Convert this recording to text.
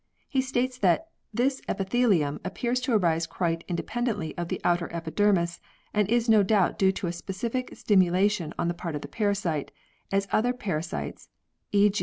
He states that "This epithelium appears to arise quite independently of the outer epidermis, and is no doubt due to a specific stimulation on the part of the parasite, as other parasites, e.